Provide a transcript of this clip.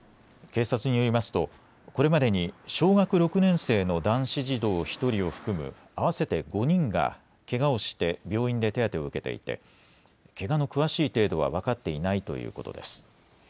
警察によりますと、これまでに小学６年生の男子児童１人を含む合わせて５人がけがをして病院で手当てを受けていてけがの詳しい程度は分かっていないということです。